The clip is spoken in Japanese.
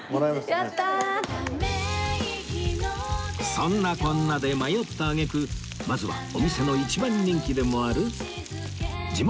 そんなこんなで迷った揚げ句まずはお店の一番人気でもある地元